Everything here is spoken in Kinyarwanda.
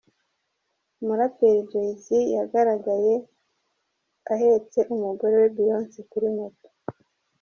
Umuraperi Jay Z yagaragaye uhetse umugore we Beyonce kuri moto.